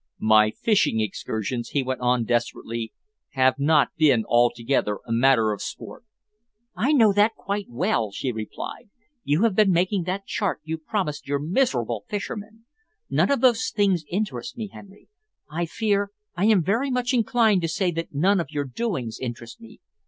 "My fishing excursions," he went on desperately, "have not been altogether a matter of sport." "I know that quite well," she replied. "You have been making that chart you promised your miserable fishermen. None of those things interest me, Henry. I fear I am very much inclined to say that none of your doings interest me.